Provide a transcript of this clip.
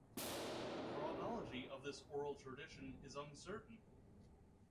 The chronology of this oral tradition is uncertain.